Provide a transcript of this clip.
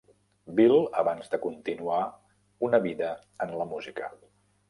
Bill abans de continuar una vida en la música.